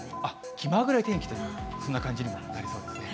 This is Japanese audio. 気まぐれ天気ですか、そんな感じになりそうですね。